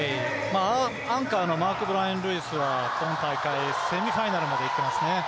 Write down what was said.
アンカーのマークブライアン・ルイスは今大会、セミファイナルまでいっていますね。